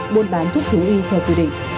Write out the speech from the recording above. buôn bán thuốc thú y theo quy định